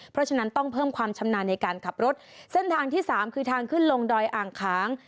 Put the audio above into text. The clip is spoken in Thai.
เพราะฉะนั้นต้องเพิ่มความชำนาญในการขับรถเส้นทางที่สามคือทางขึ้นลงดอยอ่างค้าง